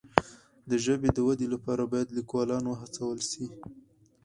د ژبې د ودي لپاره باید لیکوالان وهڅول سي.